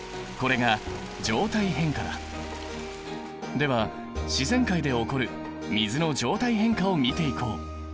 では自然界で起こる水の状態変化を見ていこう！